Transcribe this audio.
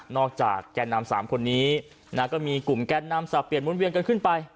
นอกจากแก๊ดน้ำสามคนนี้ก็มีกลุ่มแก๊ดน้ำสาวเปลี่ยนหมุนเวียงกันขึ้นไป